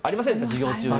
授業中に。